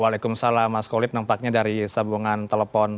waalaikumsalam mas kolit nampaknya dari sambungan telepon